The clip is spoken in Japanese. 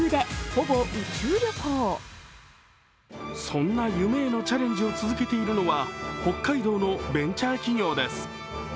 そんな夢へのチャレンジを続けているのは北海道のベンチャー企業です。